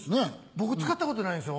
僕使ったことないんですよ。